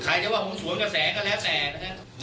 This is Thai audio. ใครจะว่าผมสวนกับแสงก็แล้วแต่นะครับ